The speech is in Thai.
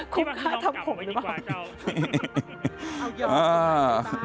คุกค่าทำผมดีกว่าเจ้า